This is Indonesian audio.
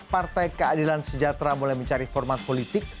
partai keadilan sejahtera mulai mencari format politik